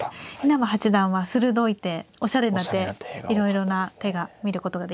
稲葉八段は鋭い手おしゃれな手いろいろな手が見ることができましたね。